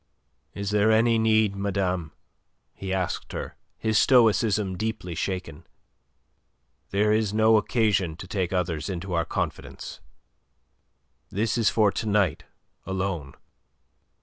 "Is there any need, madame?" he asked her, his stoicism deeply shaken. "There is no occasion to take others into our confidence. This is for to night alone.